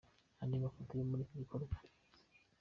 Andi Mafoto yo muri iki gikorwa.